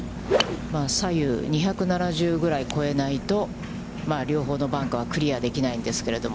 左右２７０ぐらい越えないと、両方のバンカーはクリアできないんですけれども。